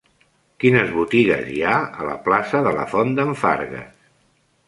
Quines botigues hi ha a la plaça de la Font d'en Fargues?